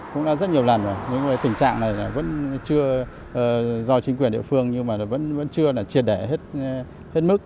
cũng đã rất nhiều lần rồi những tình trạng này vẫn chưa do chính quyền địa phương nhưng vẫn chưa triệt đẻ hết mức